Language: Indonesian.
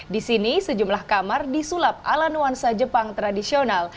di sini sejumlah kamar disulap ala nuansa jepang tradisional